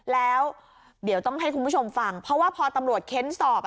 แล้วเดี๋ยวต้องให้คุณผู้ชมฟังเพราะว่าพอตำรวจเค้นสอบ